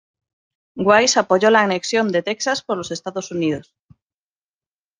Wise apoyó la anexión de Texas por los Estados Unidos.